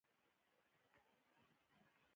ټوپک پردے پردے او هم جنګــــونه ټول پردي دي